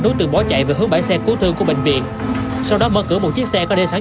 đối tượng bó chạy về hướng bãi xe cứu thương của bệnh viện sau đó mất cửa một chiếc xe có đe sản